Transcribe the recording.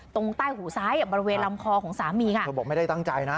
ตรงใต้หูซ้ายอ่ะบริเวณลำคอของสามีค่ะเธอบอกไม่ได้ตั้งใจนะ